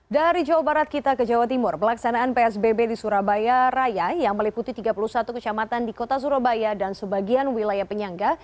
dari jawa barat kita ke jawa timur pelaksanaan psbb di surabaya raya yang meliputi tiga puluh satu kecamatan di kota surabaya dan sebagian wilayah penyangga